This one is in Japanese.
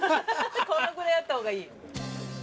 このぐらいあった方がいい。